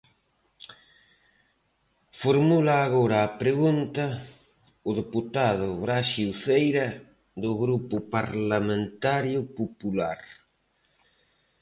Formula agora a pregunta o deputado Braxe Uceira, do Grupo Parlamentario Popular.